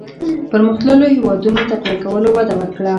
پرمختلليو هېوادونو تقويه کولو وده ورکړه.